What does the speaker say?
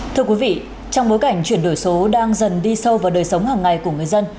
thưa quý vị trong bối cảnh chuyển đổi số đang dần đi sâu vào đời sống hàng ngày của người dân